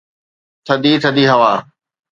ٿڌي ٿڌي هوا